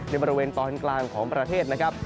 ในบริเวณตอนกลางของประเทศนะครับ